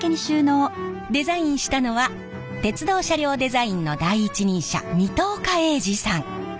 デザインしたのは鉄道車両デザインの第一人者水戸岡鋭治さん。